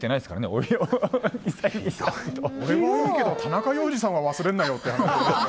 俺はいいけど田中要次さんは忘れんなよって。